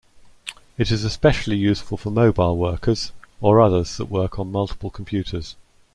It is especially useful for mobile workers, or others that work on multiple computers.